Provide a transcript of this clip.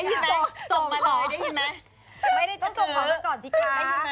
ไม่ได้ต้องส่งของก่อนสิค่ะ